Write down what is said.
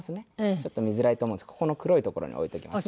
ちょっと見づらいと思うんですけどここの黒い所に置いておきますね。